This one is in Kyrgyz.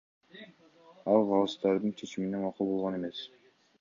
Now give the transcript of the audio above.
Ал калыстардын чечимине макул болгон эмес.